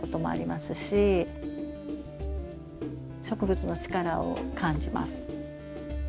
植物の力を感じます。